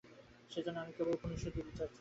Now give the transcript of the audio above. সেজন্য আমি কেবল উপনিষদই প্রচার করি।